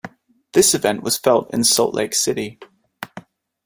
This event was felt in Salt Lake City.